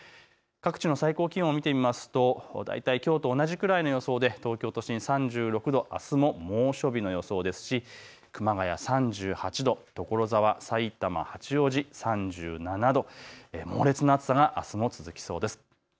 各地の最高気温を見てみますと大体、きょうと同じくらいの予想で東京都心３６度、あすも猛暑日の予想ですし熊谷３８度、所沢、さいたま、八王子３７度、猛烈な暑さがあすも続きそうです。